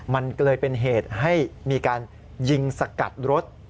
มันเลยเป็นเหตุให้มีการยิงสกัดรถ